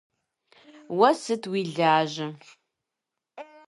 Уэ сыт уи лажьэ?